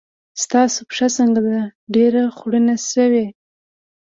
ستاسې پښه څنګه ده؟ ډېره خوړینه شوې.